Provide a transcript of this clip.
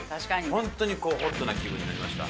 本当にホットな気分になりました。